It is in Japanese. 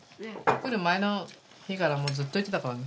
来る前の日からずっと言ってたからね。